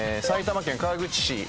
埼玉県川口市。